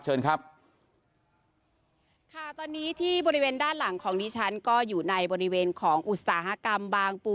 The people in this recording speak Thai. เชิญครับค่ะตอนนี้ที่บริเวณด้านหลังของดิฉันก็อยู่ในบริเวณของอุตสาหกรรมบางปู